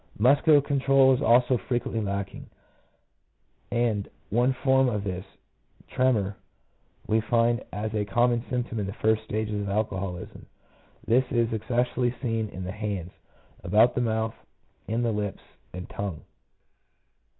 Mus cular control is also frequently lacking; and one form of this, tremor, we find as a common symptom in the first stages of alcoholism. This is especially seen in the hands, about the mouth, in the lips and tongue.